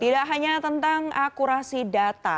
tidak hanya tentang akurasi data